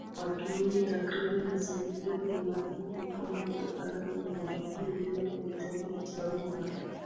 Watu wengi takribani asilimia themanini hupona kutokana na ugonjwa huu bila kuhitaji matibabu maalum